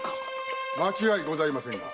〔間違いございません〕